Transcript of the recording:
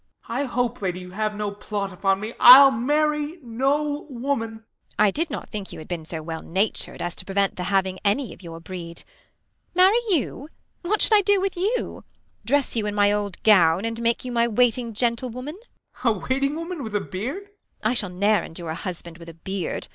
Ben. I hope, lady, you have no plot upon me. I'll marry no woman. Beat. I did not think you had been so well natur'd. THE LAW AGAINST LOVERS. 151 As to prevent the having any of Your breed. Marry you ] what should I do with you] Dress you in my old gown, and make you my Waiting woman 1 Ben. a waiting woman with a beard ? Beat. I shall ne'er endure a husband with a beard.